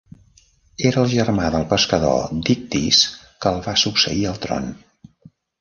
Era el germà del pescador Dictys que el va succeir al tron.